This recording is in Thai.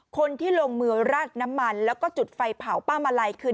คนที่ลงมือราดน้ำมันแล้วก็จุดไฟเผาป้ามาลัยคือ